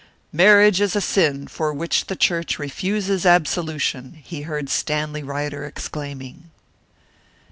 "Marriage is a sin for which the church refuses absolution!" he heard Stanley Ryder exclaiming.